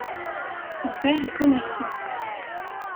Son père est commerçant.